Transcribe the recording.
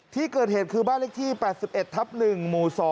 ที่เกิดเหตุคือบ้านเลขที่๘๑ทับ๑หมู่๒